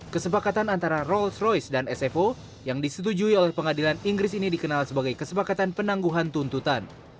kesepakatan antara rolls royce dan sfo yang disetujui oleh pengadilan inggris ini dikenal sebagai kesepakatan penangguhan tuntutan